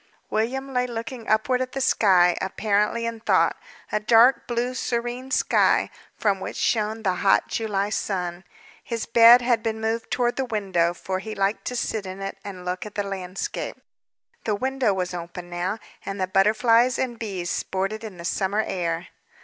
William lay looking upward at the sky, apparently in thought, a dark blue, serene sky, from which shone the hot July sun. His bed had been moved toward the window, for he liked to sit in it, and look at the landscape. The window was open now, and the butterflies and bees sported in the summer air.